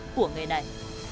của nghề này